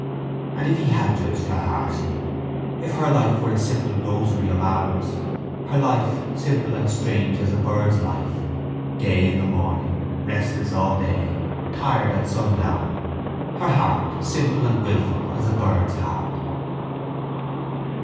And if he had judged her harshly? If her life were a simple rosary of hours, her life simple and strange as a bird's life, gay in the morning, restless all day, tired at sundown? Her heart simple and wilful as a bird's heart?